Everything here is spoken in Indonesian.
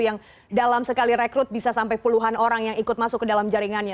yang dalam sekali rekrut bisa sampai puluhan orang yang ikut masuk ke dalam jaringannya